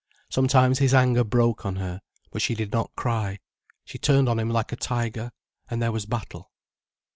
Sometimes his anger broke on her, but she did not cry. She turned on him like a tiger, and there was battle.